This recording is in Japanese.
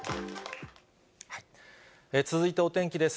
続いてお天気です。